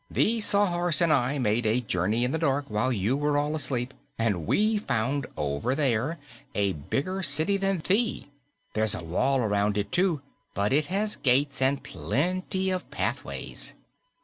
"The Sawhorse and I made a journey in the dark while you were all asleep, and we found over there a bigger city than Thi. There's a wall around it, too, but it has gates and plenty of pathways."